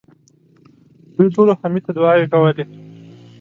دوی ټولو حميد ته دعاوې کولې.